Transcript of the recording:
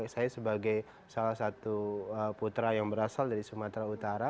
saya sebagai salah satu putra yang berasal dari sumatera utara